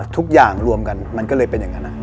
ทุกอย่างรวมกันมันก็เลยเป็นอย่างนั้น